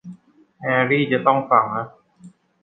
แฮร์รี่จะต้องฟังนะ